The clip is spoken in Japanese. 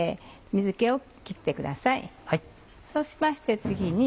そうしまして次に。